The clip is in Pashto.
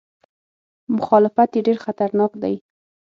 مخالفت یې ډېر خطرناک دی.